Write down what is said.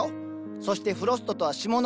そしてフロストとは霜のこと。